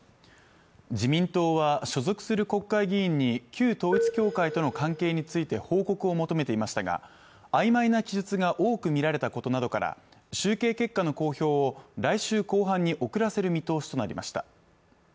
自民党は所属する国会議員に旧統一教会との関係について報告を求めていましたが曖昧な記述が多く見られたことなどから集計結果の公表を来週後半に遅らせる見通しとなりました